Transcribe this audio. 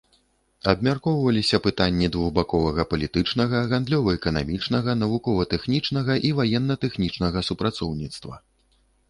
Абмяркоўваліся пытанні двухбаковага палітычнага, гандлёва-эканамічнага, навукова-тэхнічнага і ваенна-тэхнічнага супрацоўніцтва.